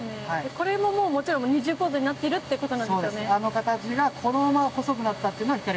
これももうもちろん二重構造になってるってことなんですよね？